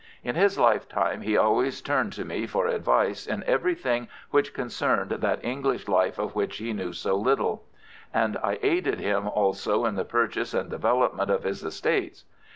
In his lifetime he always turned to me for advice in everything which concerned that English life of which he knew so little; and I aided him also in the purchase and development of his estates.